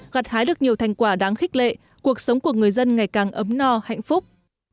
gạt hái được nhiều thành quả đáng khích lệ cuộc sống của người dân ngày càng ấm no hạnh phúc